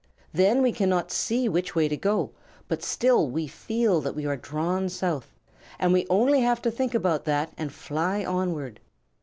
Then we cannot see which way to go, but still we feel that we are drawn South, and we only have to think about that and fly onward.